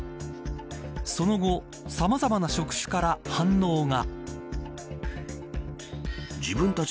その後さまざまな職種から反応が。